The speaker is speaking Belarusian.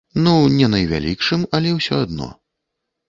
Ну не найвялікшым, але ўсё адно.